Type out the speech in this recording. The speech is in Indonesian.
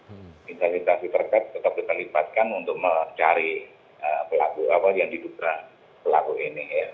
identifikasi terkait tetap kita lipatkan untuk mencari pelaku awal yang didutupkan pelaku ini